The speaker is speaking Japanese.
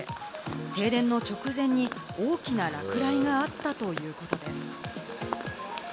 停電の直前に大きな落雷があったということです。